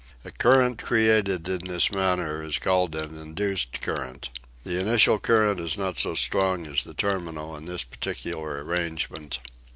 A current created in this manner is called an induced current. The initial current is not so strong as the terminal in this particular arrangement.